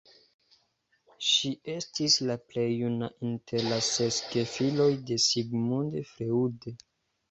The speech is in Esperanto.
Ŝi estis la plej juna inter la ses gefiloj de Sigmund Freud.